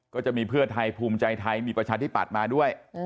ก็จะมีเพื่อไทยภูมิใจไทยมีประชาธิปัตย์มาด้วย